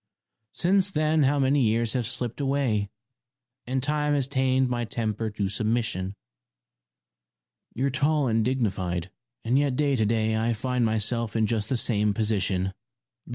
Since then how many years have slipped away ? And time has tamed my temper to submission. You're tall and dignified, and yet to day I find myself in just the same position.